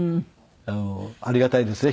ありがたいですね